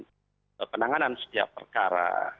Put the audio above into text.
sehingga kontrol terkait dengan penanganan setiap perkara